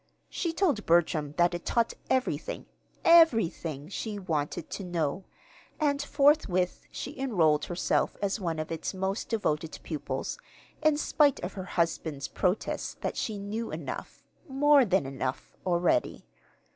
She told Bertram that it taught everything, everything she wanted to know; and forthwith she enrolled herself as one of its most devoted pupils, in spite of her husband's protests that she knew enough, more than enough, already.